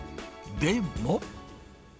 でも。